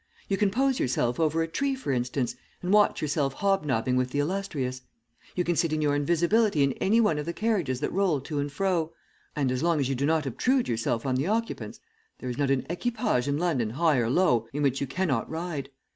You can poise yourself over a tree for instance, and watch yourself hobnobbing with the illustrious. You can sit in your invisibility in any one of the carriages that roll to and fro, and, as long as you do not obtrude yourself on the occupants, there is not an equipage in London, high or low, in which you cannot ride.